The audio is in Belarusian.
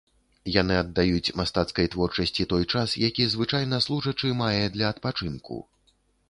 Яны аддаюць мастацкай творчасці той час, які звычайна служачы мае для адпачынку.